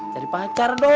cari pacar dong